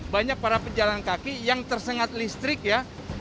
banyak para pejalan kaki yang tersengat listrik ya